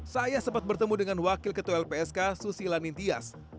saya sempat bertemu dengan wakil ketua lpsk susi lanintias